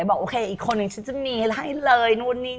บอกอีกคนนึงฉันจะมีให้เลย